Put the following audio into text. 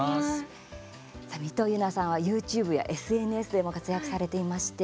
さあ、みとゆなさんはＹｏｕＴｕｂｅやＳＮＳでも活躍されていまして